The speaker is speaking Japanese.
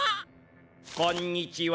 こんにちは。